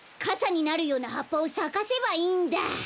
かさになるようなはっぱをさかせばいいんだ！